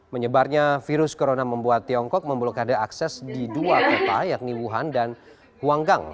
menyebarnya virus corona membuat tiongkok membuluk ada akses di dua kota yakni wuhan dan huanggang